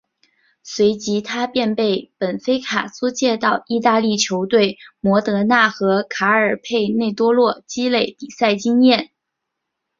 随即他便被本菲卡租借到意大利球队摩德纳和卡尔佩内多洛积累比赛经验。